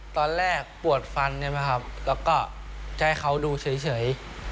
ตอนแรกปวดฟันแล้วก็จะให้เขาดูเฉย